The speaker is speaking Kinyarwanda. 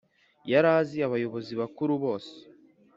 yari azi abayobozi bakuru bose.